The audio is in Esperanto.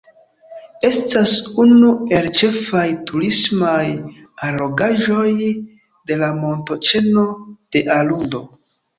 Estas unu el ĉefaj turismaj allogaĵoj de la Montoĉeno de Arundo.